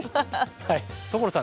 所さん